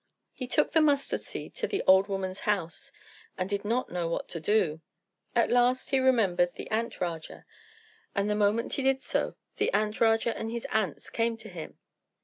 He took the mustard seed to the old woman's house, and did not know what to do. At last he remembered the Ant Raja, and the moment he did so, the Ant Raja and his ants came to him.